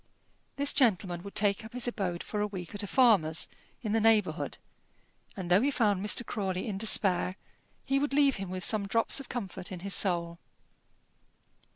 This gentleman would take up his abode for a week at a farmer's in the neighbourhood, and though he found Mr. Crawley in despair, he would leave him with some drops of comfort in his soul.